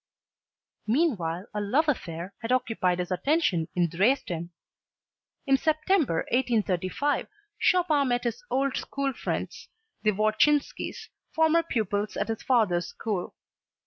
Meanwhile a love affair had occupied his attention in Dresden. In September, 1835, Chopin met his old school friends, the Wodzinskis, former pupils at his father's school.